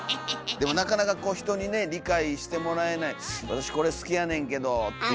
でもなかなかこう人にね理解してもらえない私これ好きやねんけどっていうて。